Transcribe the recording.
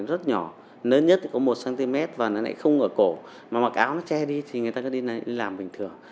những cái vết sẹo của cái nội so hiện thì nó rất nhỏ lớn nhất thì có một cm và nó lại không ở cổ mà mặc áo nó che đi thì người ta có đi làm bình thường